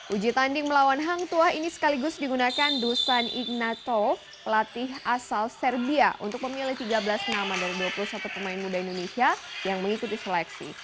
uji tanding melawan hang tuah ini sekaligus digunakan dusan ignatov pelatih asal serbia untuk memilih tiga belas nama dari dua puluh satu pemain muda indonesia yang mengikuti seleksi